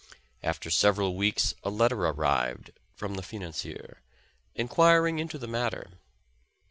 After several weeks a letter arrived from the financier, enquiring into the matter.